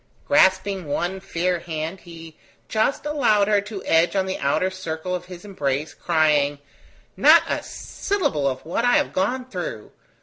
Grasping one fair hand, he just allowed her to edge on the outer circle of his embrace, crying: "Not a syllable of what I have gone through!